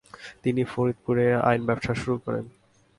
তিনি ফরিদপুরে আইন ব্যবসা শুরু করেন।